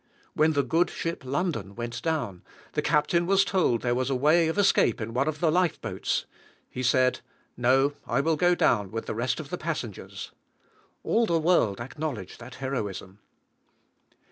When the good ship London went down, the captain was told that there was a way of escape in one of the life boats. He said "No; I will go down with the rest of the passengers!" All the world acknowledged that heroism.